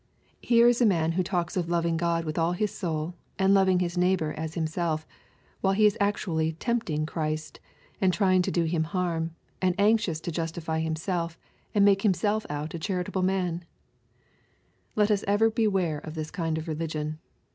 Here is a man who talks of loving God with all his soul, and loving his neighbor as himself^ while he is actually "tempting^' Christ, and Xtrying to do Him harm, and anxious to justify himself and make himself out a charitable man I Let us ever beware of this kind of religion.